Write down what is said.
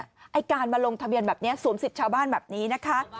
ไอ้การมาลงทะเบียนแบบนี้สวมสิทธิ์ชาวบ้านแบบนี้นะคะ